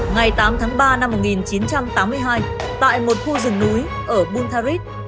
ngày tám tháng ba năm một nghìn chín trăm tám mươi hai tại một khu rừng núi ở buntarit